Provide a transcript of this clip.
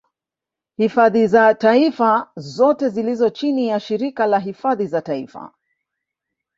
Hifadhi za taifa zote zilizo chini ya shirika la hifadhi za taifa